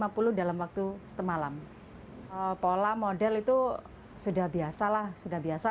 pemerintah mencari hak yang berharga